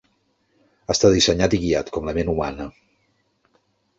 Està dissenyat i guiat, com la ment humana.